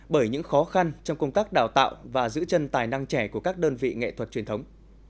bởi những khó khăn trong công tác đào tạo và giữ chân tài năng trẻ của các đơn vị nghệ thuật truyền thống